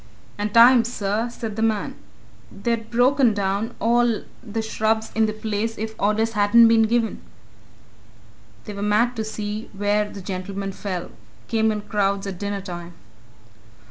"And time, sir," said the man. "They'd ha' broken down all the shrubs in the place if orders hadn't been given! They were mad to see where the gentleman fell came in crowds at dinnertime."